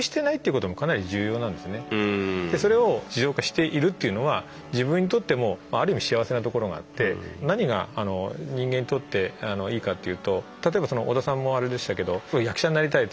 それを自動化しているっていうのは自分にとってもある意味幸せなところがあって何が人間にとっていいかっていうと例えば織田さんもあれでしたけど役者になりたい